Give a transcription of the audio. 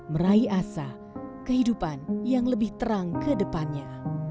meraih asa kehidupan yang lebih terang ke depannya